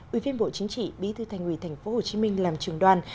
ủy viên bộ chính trị bí thư thành quỳ thành phố hồ chí minh làm trường đoàn